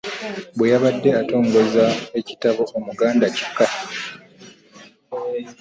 Bweyabadde atongoza ekitabo ‘Omuganda Kika'